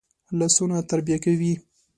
لاسونه تربیه کوي